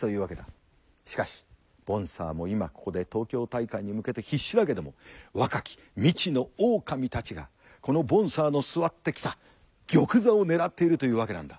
しかしボンサーも今ここで東京大会に向けて必死だけども若き未知の狼たちがこのボンサーの座ってきた玉座を狙っているというわけなんだ。